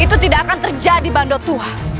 itu tidak akan terjadi bandut tua